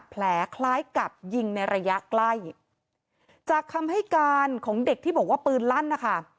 คล้ายกับยิงในระยะใกล้จากคำให้การของเด็กที่บอกว่าปืนลั่นนะคะ